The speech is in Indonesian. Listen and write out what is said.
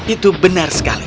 itu benar sekali